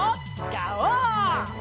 ガオー！